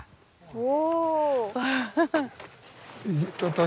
お。